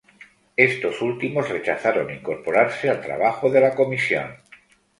Estos últimos rechazaron incorporarse al trabajo de la comisión.